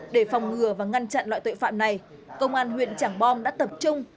để phòng ngừa và ngăn chặn loại tội phạm này công an huyện trạng bò đã tập trung